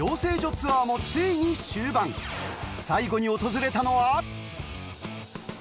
ツアーもついに終盤最後に訪れたのは？